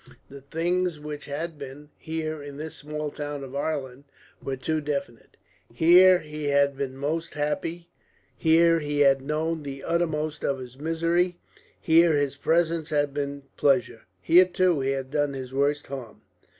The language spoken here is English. The things which had been, here, in this small town of Ireland, were too definite. Here he had been most happy, here he had known the uttermost of his misery; here his presence had brought pleasure, here too he had done his worst harm.